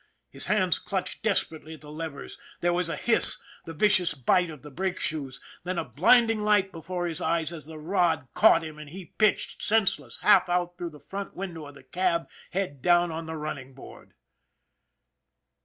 His hands clutched desperately at the levers, there was a hiss, the vicious SPITZER 91 bite of the brake shoes, then a blinding light before his eyes as the rod caught him and he pitched, sense less, half out through the front window of the cab, head down on the running board.